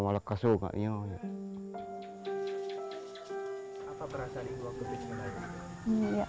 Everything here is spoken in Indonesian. apa perasaan kamu saat melihatnya